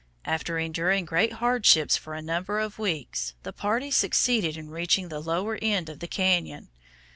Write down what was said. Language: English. After enduring great hardships for a number of weeks, the party succeeded in reaching the lower end of the cañon.